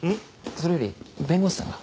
それより弁護士さんが。